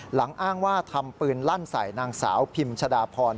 อ้างว่าทำปืนลั่นใส่นางสาวพิมชดาพร